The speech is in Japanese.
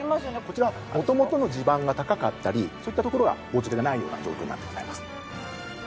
こちらは元々の地盤が高かったりそういった所は防潮堤がないような状況になってございます。